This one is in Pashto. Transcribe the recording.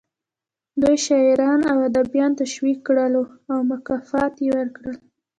دوی شاعران او ادیبان تشویق کړل او مکافات یې ورکړل